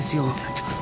ちょっと。